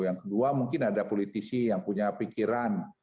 yang kedua mungkin ada politisi yang punya pikiran